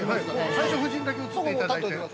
◆最初夫人だけ映っていただいて。